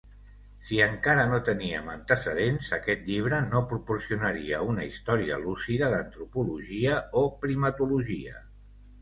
Si encara no teníem antecedents, aquest llibre no proporcionaria una història lúcida d'antropologia o primatologia.